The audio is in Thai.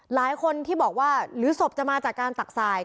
หลายคนที่บอกว่าหรือศพจะมาจากการตักสาย